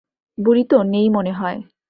বুড়ি তো নেই মনেহয়।